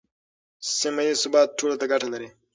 سیمه ییز ثبات ټولو ته ګټه لري.